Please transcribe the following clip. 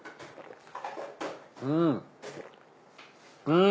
うん！